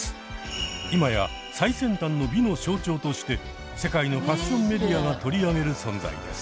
今や最先端の美の象徴として世界のファッションメディアが取り上げる存在です。